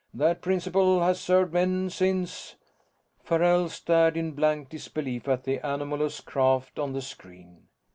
That principle has served men since." Farrell stared in blank disbelief at the anomalous craft on the screen.